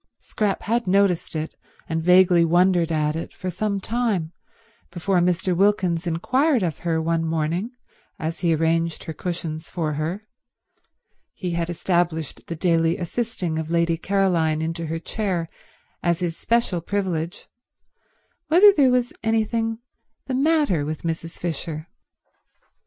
Scrap had noticed it, and vaguely wondered at it, for some time before Mr. Wilkins inquired of her one morning as he arranged her cushions for her—he had established the daily assisting of Lady Caroline into her chair as his special privilege—whether there was anything the matter with Mrs. Fisher.